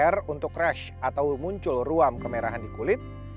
r untuk crash atau muncul ruam kemerahan di kulit